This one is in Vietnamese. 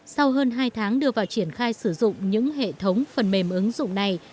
sau hơn hai tháng đưa vào triển khai sử dụng những hệ thống phần mềm ứng dụng này